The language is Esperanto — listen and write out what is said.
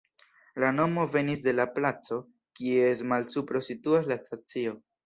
La nomo venis de la placo, kies malsupro situas la stacio.